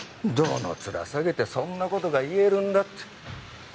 どの面下げてそんな事が言えるんだって。